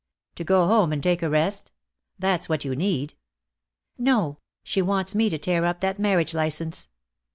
"To go home and take a rest? That's what you need." "No. She wants me to tear up that marriage license."